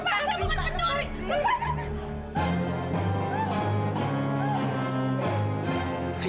saya bukan pencuri